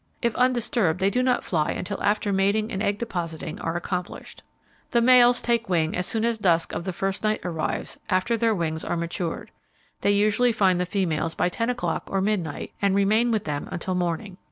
If undisturbed they do not fly until after mating and egg depositing are accomplished. The males take wing as soon as dusk of the first night arrives, after their wings are matured. They usually find the females by ten o'clock or midnight, and remain with them until morning.